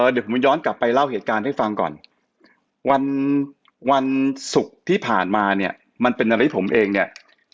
เดี๋ยวผมย้อนกลับไปเล่าเหตุการณ์ให้ฟังก่อนวันศุกร์ที่ผ่านมาเนี่ยมันเป็นอะไรที่ผมเองเนี่ย